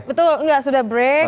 betul nggak sudah break